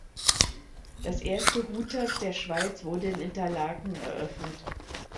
Das erste Hooters der Schweiz wurde in Interlaken eröffnet.